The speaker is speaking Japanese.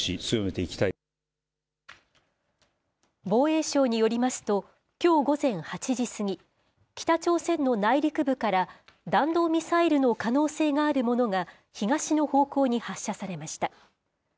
防衛省によりますと、きょう午前８時過ぎ、北朝鮮の内陸部から、弾道ミサイルの可能性があるものが東の方向に発射されました。